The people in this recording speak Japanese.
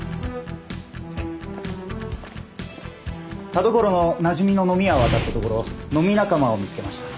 田所のなじみの飲み屋をあたったところ飲み仲間を見つけました。